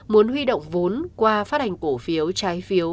muốn huy động vốn qua phát hành cổ phiếu trái phiếu